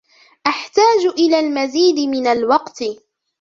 أحتاج إلى المزيد من الوقت.